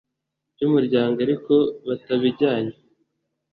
by umuryango ariko batabijyanye